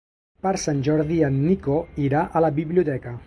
Per Sant Jordi en Nico irà a la biblioteca.